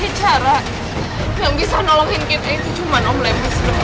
kamu tahu satu satunya cara yang bisa nolongin kita itu cuma om lepas